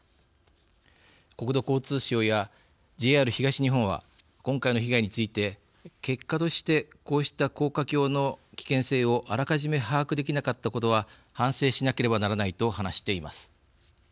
国土交通省やＪＲ東日本は今回の被害について「結果として、こうした高架橋の危険性をあらかじめ把握できなかったことは反省しなければならない」と話しています。